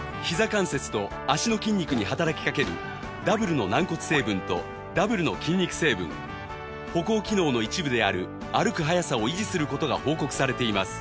関節と脚の筋肉に働きかけるダブルの軟骨成分とダブルの筋肉成分歩行機能の一部である歩く早さを維持する事が報告されています